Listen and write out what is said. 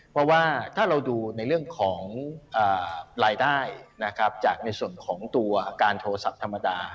เพราะว่าถ้าเราดูในเรื่องของรายได้นะครับจากในส่วนของตัวการโทรศัพท์ธรรมดา